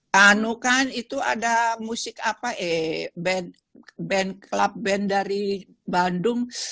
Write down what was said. tanukan itu ada musik apa eh band band club band dari bandung